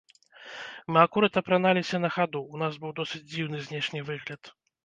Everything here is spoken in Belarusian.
Мы акурат апраналіся на хаду, у нас быў досыць дзіўны знешні выгляд.